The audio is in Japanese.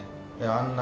あんな